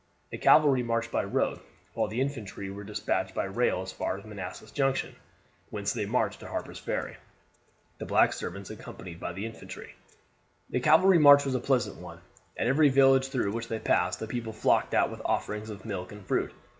The cavalry marched by road, while the infantry were despatched by rail as far as Manassas Junction, whence they marched to Harper's Ferry. The black servants accompanied the infantry. The cavalry march was a pleasant one. At every village through which they passed the people flocked out with offerings of milk and fruit.